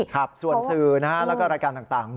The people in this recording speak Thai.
ครับส่วนสื่อนะฮะแล้วก็รายการต่าง